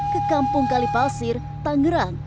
ke kampung kalipasir tangerang